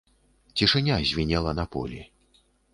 Цішыня звінела на полі.